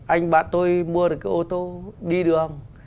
anh bá tôi mua được cái ô tô đi đường